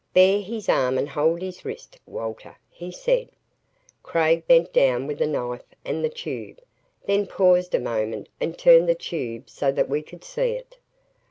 "Bare his arm and hold his wrist, Walter," he said. Craig bent down with the knife and the tube, then paused a moment and turned the tube so that we could see it.